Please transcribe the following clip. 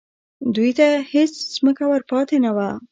دوی ته هېڅ ځمکه ور پاتې نه وه